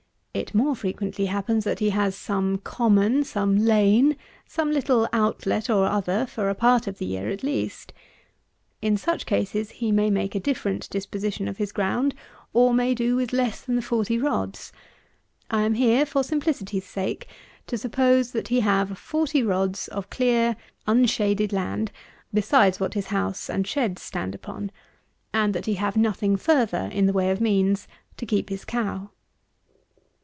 It more frequently happens, that he has some common, some lane, some little out let or other, for a part of the year, at least. In such cases he may make a different disposition of his ground; or may do with less than the 40 rods. I am here, for simplicity's sake, to suppose, that he have 40 rods of clear, unshaded land, besides what his house and sheds stand upon; and that he have nothing further in the way of means to keep his cow.